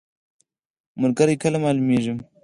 ملګری کله معلومیږي؟